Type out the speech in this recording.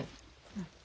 うん。